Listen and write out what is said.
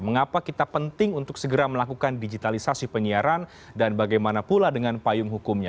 mengapa kita penting untuk segera melakukan digitalisasi penyiaran dan bagaimana pula dengan payung hukumnya